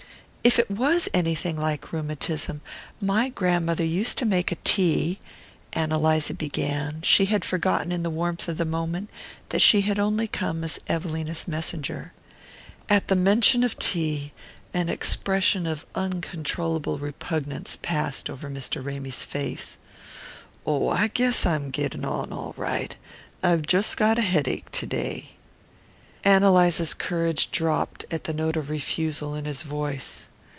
"If it WAS anything like rheumatism, my grandmother used to make a tea " Ann Eliza began: she had forgotten, in the warmth of the moment, that she had only come as Evelina's messenger. At the mention of tea an expression of uncontrollable repugnance passed over Mr. Ramy's face. "Oh, I guess I'm getting on all right. I've just got a headache to day." Ann Eliza's courage dropped at the note of refusal in his voice.